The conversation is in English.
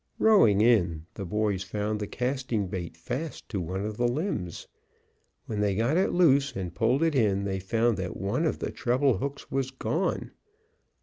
Rowing in, the boys found the casting bait fast on one of the limbs. When they got it loose and pulled it in, they found that one of the treble hooks was gone.